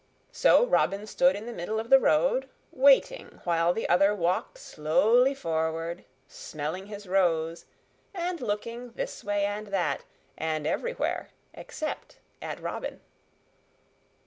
So Robin stood in the middle of the road, waiting while the other walked slowly forward, smelling his rose, and looking this way and that, and everywhere except at Robin.